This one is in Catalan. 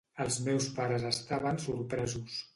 Els meus pares estaven sorpresos.